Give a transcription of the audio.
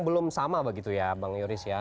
belum sama begitu ya bang yoris ya